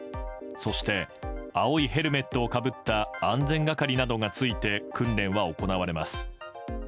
そして青いヘルメットをかぶった安全係などがついて訓練は行われます。